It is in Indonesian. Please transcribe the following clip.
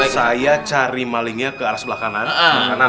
saya cari malingnya ke arah sebelah kanan